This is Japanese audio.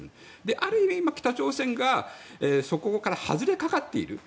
ある意味、北朝鮮がそこから外れかかっている。